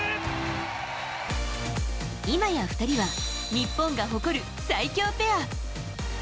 今や２人は日本が誇る最強ペア。